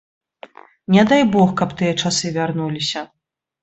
Не дай бог, каб тыя часы вярнуліся.